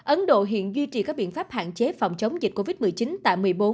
ấn độ hiện duy trì các biện pháp hạn chế phòng chống dịch covid một mươi chín tại một mươi bốn